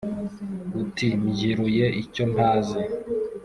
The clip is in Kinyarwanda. Uti: mbyiruye icyontazi.